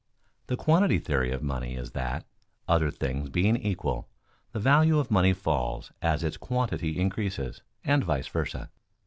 _The quantity theory of money is that, other things being equal, the value of money falls as its quantity increases, and vice versa.